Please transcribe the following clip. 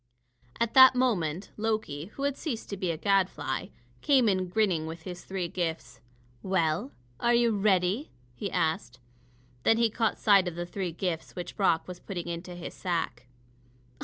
At that moment Loki, who had ceased to be a gadfly, came in grinning, with his three gifts. "Well, are you ready?" he asked. Then he caught sight of the three gifts which Brock was putting into his sack.